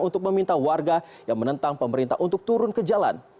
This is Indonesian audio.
untuk meminta warga yang menentang pemerintah untuk turun ke jalan